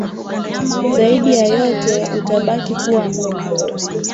Zaidi ya yote utabaki kuwa Mungu.